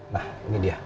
nah ini dia